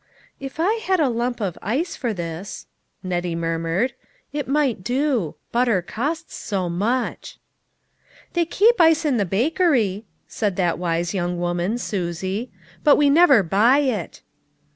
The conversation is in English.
"If I had a lump of ice for this," Nettie mur mured, " it might do. Butter costs so much." "They keep ice at the bakery," said that wise young woman, Susie, "but we never buy it."